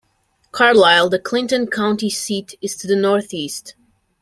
Carlyle, the Clinton County seat, is to the northeast.